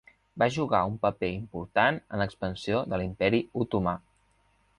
Va jugar un paper important en l'expansió de l'Imperi Otomà.